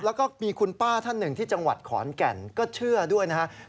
แล้วก็มีคุณป้าท่านหนึ่งที่จังหวัดขอนแก่นก็เชื่อด้วยนะครับ